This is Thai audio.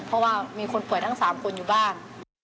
เพราะว่ามีคนป่วยทั้ง๓คนอยู่บ้าน